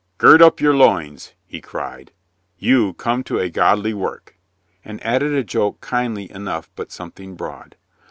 "Gird up your loins," he cried. "You come to a godly work," and added a joke kindly enough but something broad.